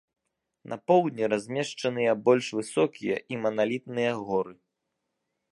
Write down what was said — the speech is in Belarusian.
На поўдні размешчаныя больш высокія і маналітныя горы.